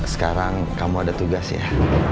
sekarang kamu ada tugas ya